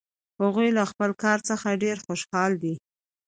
هغوی له خپل کار څخه ډېر خوشحال دي